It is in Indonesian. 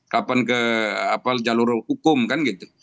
kapan ke jalur hukum kan gitu